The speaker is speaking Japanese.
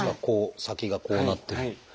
こう先がこうなってる。